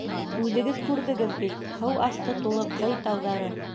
Үҙегеҙ күрҙегеҙ бит, һыу аҫты тулы ҡый тауҙары.